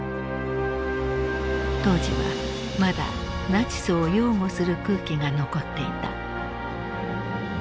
当時はまだナチスを擁護する空気が残っていた。